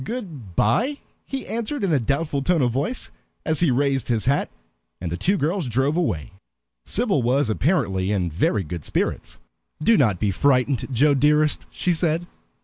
"Good by," he answered in a doubtful tone of voice, as he raised his hat; and the two girls drove away. Sybil was apparently in very good spirits. "Do not be frightened, Joe dearest," she said.